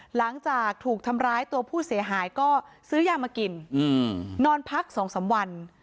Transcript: หลังจากถูกทำร้ายตัวผู้เสียหายก็ซื้อยามากินนอนพัก๒๓วัน